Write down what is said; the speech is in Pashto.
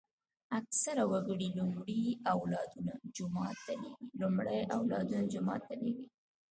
اکثره وګړي لومړی اولادونه جومات ته لېږي.